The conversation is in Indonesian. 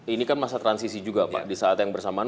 ini kan masa transisi juga pak di saat yang bersamaan